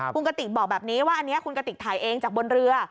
คุณกติกบอกแบบนี้ว่าอันนี้คุณกติกถ่ายเองจากบนเรือ